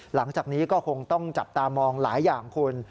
หลังจากนี้ก็คงต้องจับตามองหลายอย่างคุณ